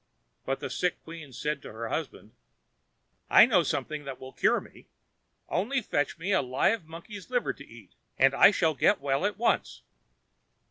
But the sick queen said to her husband: "I know of something that will cure me. Only fetch me a live monkey's liver to eat, and I shall get well at once."